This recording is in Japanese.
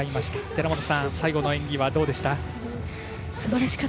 寺本さん、最後の演技どうでしたか？